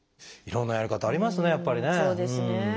いろんなやり方ありますねやっぱりね。